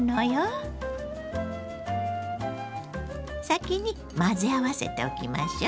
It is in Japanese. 先に混ぜ合わせておきましょ。